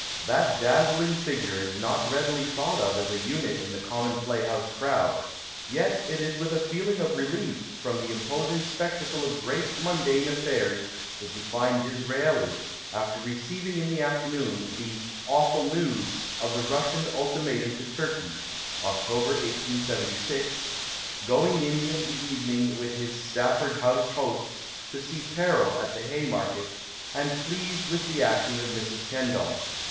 That dazzling figure is not readily thought of as a unit in the common playhouse crowd. Yet it is with a feeling of relief from the im[)osing spectacle of great numdane affairs that you find Disraeli, after receiving in the afternoon the '' awful news " of the Russian ultima tum to Turkey (October, 1876), going in the evening with his Stafford House hosts to sec Peril at the Haymarket, and pleased with the acting of Mrs. Kendal.